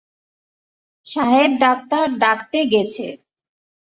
সাহেব-ডাক্তার ডাকতে গেছে।